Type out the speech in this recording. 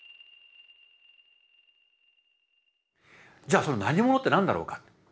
じゃあその「何もの」って何だろうか。